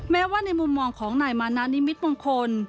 แม้ว่าในมุมมองของนายมานานิมิตมงคล